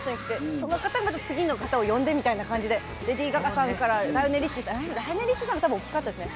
いろんな方がゲストに来てくれて、その方が次の方を呼んでみたいな感じで、レディー・ガガさんからライオネル・リッチーさん、多分、大きかったですね。